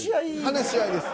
話し合いです。